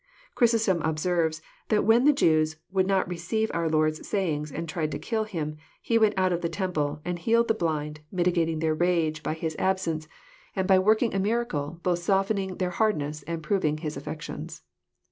Chrysostom observes, that when the Jews " would not re ceive our Lord's sayings, and tried to kill Him, He went out of the temple, and healed the blind, mitigating their rage by His 140 EXPOSITOBT THOUGHTS. absence ; and by working a miracle, both softening their hard* ness, and proving His affections.